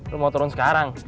lu mau turun sekarang